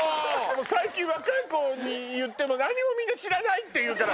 最近若い子に言っても何も知らないって言うから。